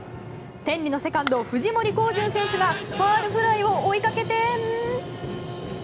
天理のセカンド、藤森康淳選手がファウルフライを追いかけて。